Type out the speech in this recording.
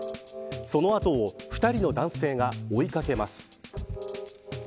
その後を２人の男性が追い掛けます。